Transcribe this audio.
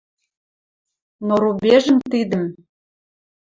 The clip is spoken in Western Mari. Но рубежӹм тидӹм